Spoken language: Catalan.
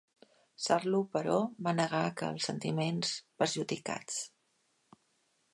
Sarlo, però, va negar que els sentiments perjudicats.